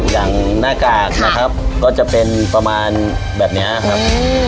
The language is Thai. อย่างหน้ากากนะครับก็จะเป็นประมาณแบบนี้ครับ